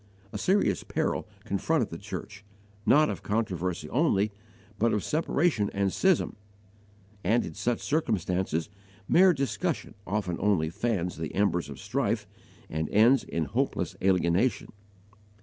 A serious peril confronted the church not of controversy only, but of separation and schism; and in such circumstances mere discussion often only fans the embers of strife and ends in hopeless alienation.